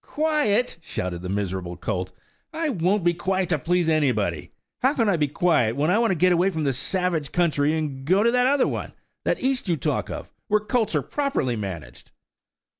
"Quiet!" shouted the miserable colt. "I won't be quiet, to please anybody. How can I be quiet, when I want to get away from this savage country, and go to that other one–that East you talk of–where colts are properly managed?"